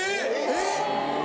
えっ！